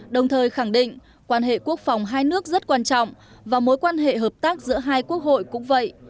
đồng thời khẳng định quan hệ quốc phòng hai nước rất quan trọng và mối quan hệ hợp tác giữa hai quốc hội cũng vậy